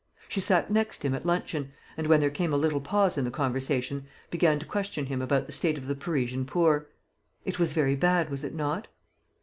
She sat next him at luncheon, and, when there came a little pause in the conversation, began to question him about the state of the Parisian poor. It was very bad, was it not?